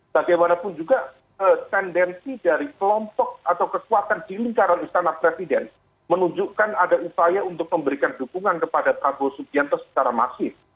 bagaimanapun juga tendensi dari kelompok atau kekuatan di lingkaran istana presiden menunjukkan ada upaya untuk memberikan dukungan kepada prabowo subianto secara masif